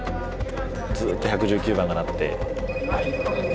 ずっと１１９番が鳴って。